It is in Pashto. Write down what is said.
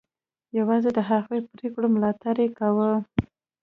یوازې د هغو پرېکړو ملاتړ یې کاوه.